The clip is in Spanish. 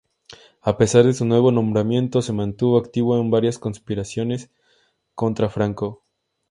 A pesar de su nuevo nombramiento, se mantuvo activo en varias conspiraciones contra Franco.